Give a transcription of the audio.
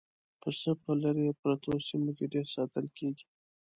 پسه په لرې پرتو سیمو کې ډېر ساتل کېږي.